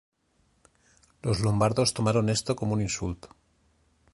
Los lombardos tomaron esto como un insulto.